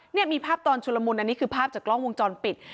เนี่ยมีภาพตอนชุลมุนอันนี้คือภาพจากกล้องวงจรปิด